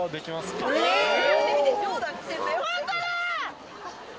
本当だ。